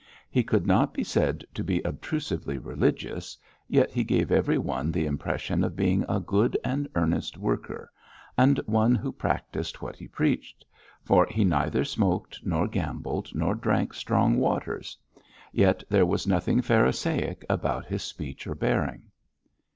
He could not be said to be obtrusively religious, yet he gave everyone the impression of being a good and earnest worker, and one who practised what he preached, for he neither smoked nor gambled nor drank strong waters. Yet there was nothing Pharisaic about his speech or bearing.